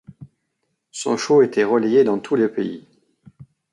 Son show était relayé dans tout le pays.